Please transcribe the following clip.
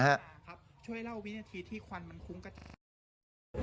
ช่วยเล่าวินาทีที่ควันมันคุ้งกระจาย